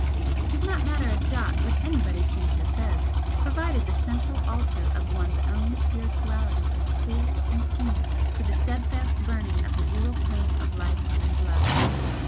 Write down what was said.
It does not matter a jot what anybody thinks or says, provided the central altar of one's own Spirituality is clear and clean for the steadfast burning of the dual flame of Life and Love.